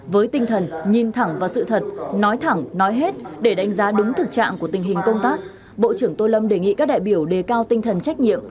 với tinh thần nhìn thẳng vào sự thật nói thẳng nói hết để đánh giá đúng thực trạng của tình hình công tác bộ trưởng tô lâm đề nghị các đại biểu đề cao tinh thần trách nhiệm